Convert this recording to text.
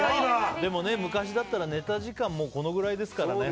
昔だったらネタ時間もこれぐらいですからね。